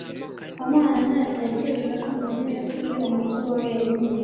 kamana ntatekereza ko mariya yakoze umukoro we wenyine